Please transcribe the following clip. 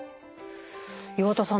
岩田さん